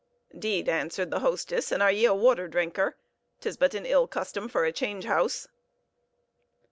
"'Deed," answered the hostess, "and are ye a water drinker? 'Tis but an ill custom for a change house."